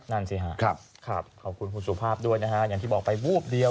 นั่นสิฮะครับขอบคุณคุณสุภาพด้วยนะฮะอย่างที่บอกไปวูบเดียว